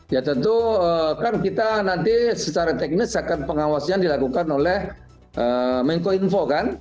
ya tentu kan kita nanti secara teknis akan pengawasan dilakukan oleh menko info kan